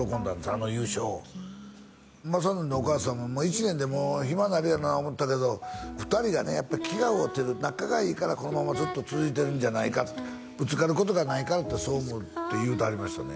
あの優勝を雅紀のお母さんも１年で暇になるやろな思ったけど２人がねやっぱり気が合うてる仲がいいからこのままずっと続いてるんじゃないかってぶつかることがないからってそう思うって言うてはりましたね